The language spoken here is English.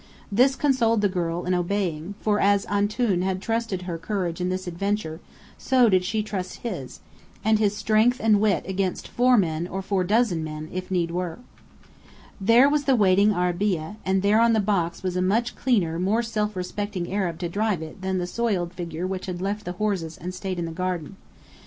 This consoled the girl in obeying; for as "Antoun" had trusted her courage in this adventure, so did she trust his, and his strength and wit against four men or four dozen men, if need were. There was the waiting arabeah, and there on the box was a much cleaner, more self respecting Arab to drive it than the soiled figure which had left the horses and strayed into the garden.